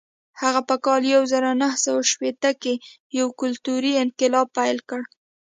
هغه په کال یو زر نهه سوه شپېته کې یو کلتوري انقلاب پیل کړ.